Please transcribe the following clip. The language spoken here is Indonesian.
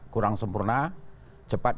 kurang sempurna cepat